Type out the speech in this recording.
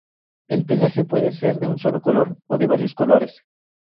El pelaje puede ser de un sólo color o de varios colores.